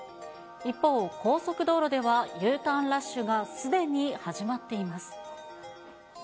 一方、高速道路ではＵターンラッシュがすでに始まっています。